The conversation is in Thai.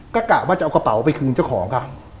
ก็กะว่าจะเอากระเป๋าไปคืนเจ้าของค่ะ